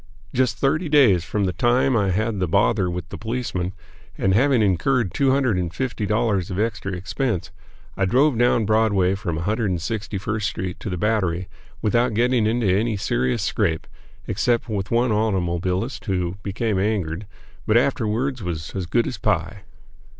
Just thirty days from the time I had the bother with the policemen, and having incurred two hundred and fifty dollars of extra expense, I drove down Broadway from 161st Street to the Battery, without getting into any serious scrape, except with one automobilist who became angered, but afterwards was "as good as pie."